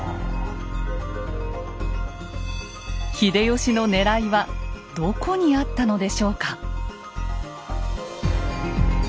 秀吉のねらいはどこにあったのでしょうか。